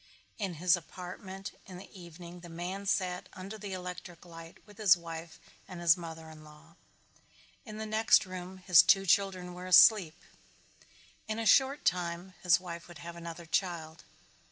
In his apartment in the evening the man sat under the electric light with his wife and his mother in law. In the next room his two children were asleep. In a short time his wife would have another child.